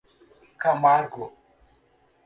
Camargo